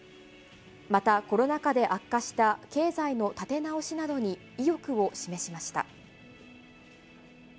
また、コロナ禍で悪化した経済の立て直しなどに意欲を示しました。